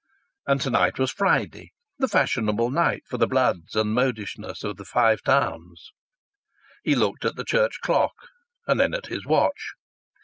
And to night was Friday, the fashionable night for the bloods and the modishness of the Five Towns. He looked at the church clock and then at his watch.